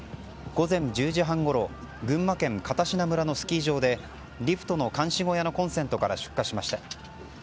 午前１０時半ごろ群馬県片品村のスキー場でリフトの監視小屋のコンセントから出火しました。